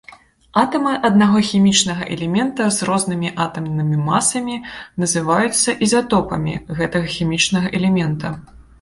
Атамы аднаго хімічнага элемента з рознымі атамнымі масамі, называюцца ізатопамі гэтага хімічнага элемента.